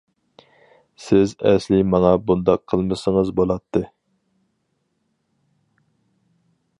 سىز ئەسلى ماڭا بۇنداق قىلمىسىڭىز بولاتتى.